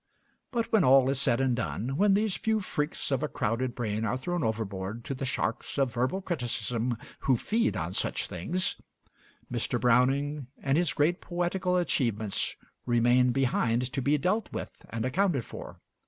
But when all is said and done when these few freaks of a crowded brain are thrown overboard to the sharks of verbal criticism who feed on such things Mr. Browning and his great poetical achievement remain behind to be dealt with and accounted for.